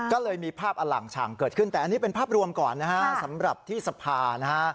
ก็เลยมีภาพอล่างฉ่างเกิดขึ้นแต่อันนี้เป็นภาพรวมก่อนนะฮะสำหรับที่สภานะฮะ